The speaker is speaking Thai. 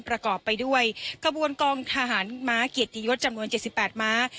ประกอบไปด้วยขบวนกองทหารม้าเกียรติยศจำนวน๗๘ม้า